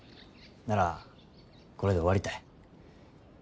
ならこれで終わりたい。